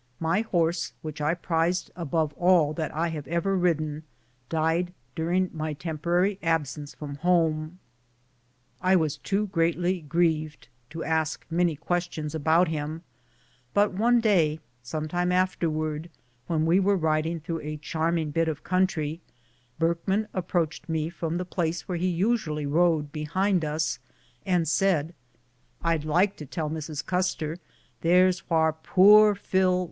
My horse, which I prized above all that I have ever ridden, died during my temporary absence from home. I was too greatly grieved to ask many questions about him, but one day, some time afterwards, when we were riding through a charming bit of country, Burkman approached me from the place where he usually rode behind us, and said, " I'd like to tell Mrs. Custer there's whar poor Phil lies.